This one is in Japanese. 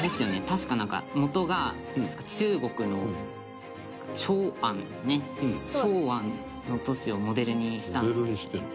確かなんかもとが中国の長安ね長安の都市をモデルにしたんですよね